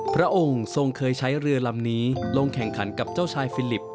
พระองค์ทรงเคยใช้เรือลำนี้ลงแข่งขันกับเจ้าชายฟิลิป